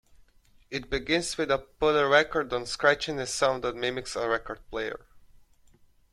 It begins with a "put-a-record-on scratchiness" sound that mimics a record player.